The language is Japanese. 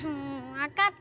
わかった。